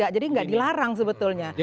jadi tidak dilarang sebetulnya